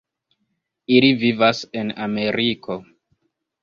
Ili vivas en Ameriko.